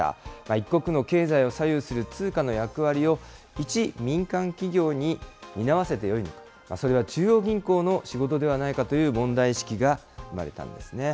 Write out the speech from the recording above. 一国の経済を左右する通貨の役割を、一民間企業に担わせてよいのか、それは中央銀行の仕事ではないのかという問題意識が生まれたんですね。